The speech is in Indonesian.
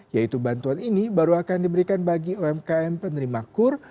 yaitu bantuan ini baru akan diberikan bagi umkm penerima kur